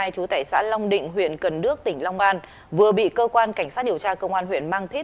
chú tại xã long định huyện cần đước tỉnh long an vừa bị cơ quan cảnh sát điều tra công an huyện mang thít